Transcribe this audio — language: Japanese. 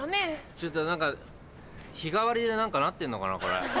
ちょっと何か日替わりで何かなってんのかなこれ。